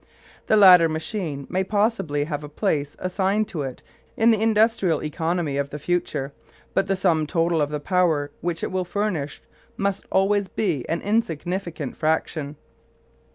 The latter machine may possibly have a place assigned to it in the industrial economy of the future, but the sum total of the power which it will furnish must always be an insignificant fraction.